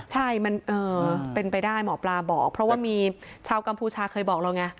ใช่มันเป็นไปได้หมอปลาบอกเพราะว่ามีชาวกัมพูชาเคยบอกเราไง